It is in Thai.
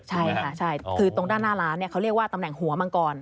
ใช่ค่ะใช่คือตรงด้านหน้าร้านเขาเรียกว่าตำแหน่งหัวมังกร